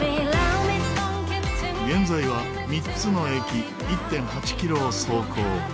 現在は３つの駅１．８キロを走行。